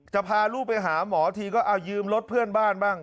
พาลูกไปหาหมอทีก็เอายืมรถเพื่อนบ้านบ้าง